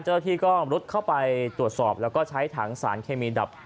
เจ้าหน้าที่ก็รุดเข้าไปตรวจสอบแล้วก็ใช้ถังสารเคมีดับ